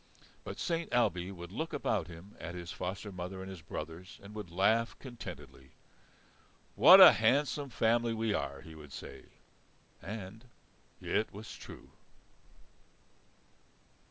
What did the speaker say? But Saint Ailbe would look about him at his foster mother and his brothers and would laugh contentedly. "What a handsome family we are!" he would say. And it was true.